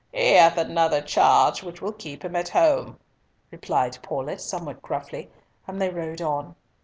"He hath another charge which will keep him at home," replied Paulett, somewhat gruffly, and they rode on.